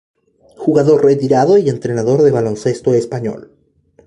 Jugador retirado y entrenador de baloncesto español.